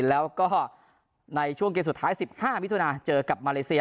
แล้วก็ในช่วงเก็บสุดท้ายสิบห้าวิทยุนาเจอกับมาเลเซีย